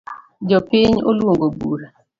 Jopiny oluongo bura